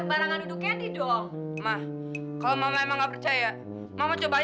emangnya di rumah kamu masih ada kompor minyak tanah